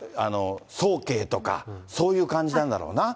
早慶とか、そういう感じなんだろうな。